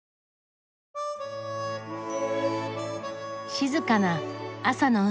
静かな朝の海。